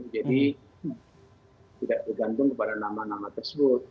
jadi tidak tergantung kepada nama nama tersebut